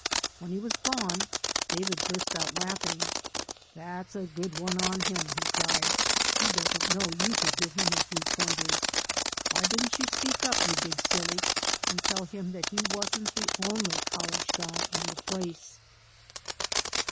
When he was gone, David burst out laughing. "That's a good one on him," he cried. "He doesn't know you could give him a few pointers. Why didn't you speak up, you big silly, and tell him that he wasn't the only college guy on the place?